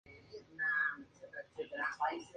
Concretamente a Salomón.